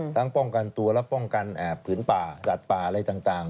ป้องกันตัวและป้องกันผืนป่าสัตว์ป่าอะไรต่าง